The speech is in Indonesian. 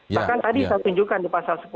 bahkan tadi saya tunjukkan di pasal sepuluh